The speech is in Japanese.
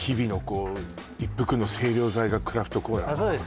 こう一服の清涼剤がクラフトコーラなのね